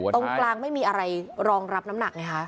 ตรงกลางไม่มีอะไรรองรับน้ำหนักไงคะ